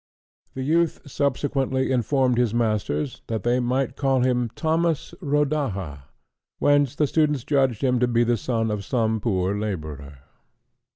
The youth subsequently informed his masters, that they might call him Thomas Rodaja; whence the students judged him to be the son of some poor labourer.